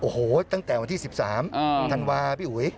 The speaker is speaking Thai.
โอ้โหตั้งแต่วันที่๑๓ธันวาพี่อุ๋ย